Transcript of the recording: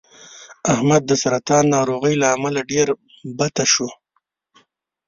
احمد د سرطان ناروغۍ له امله ډېر بته شو